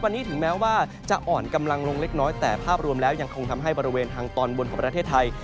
วันนี้ถึงแม้ว่าจะอ่อนกำลังลงเล็กน้อยแต่ภาพรวมแล้วยังคงทำให้บริเวณทางตอนบนของประเทศไทย